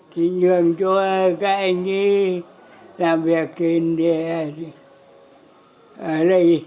thì nhường cho các anh ấy làm việc thì ở đây